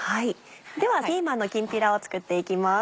ではピーマンのきんぴらを作っていきます。